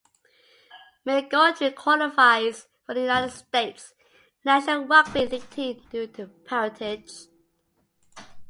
McGoldrick qualifies for the United States national rugby league team due to parentage.